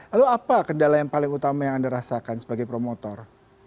lalu apa kendala yang paling utama yang anda rasakan sebagai promotor